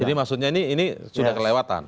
jadi maksudnya ini ini sudah kelewatan